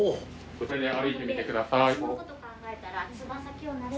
こちらで歩いてみてください。